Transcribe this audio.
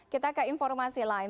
kita ke informasi lain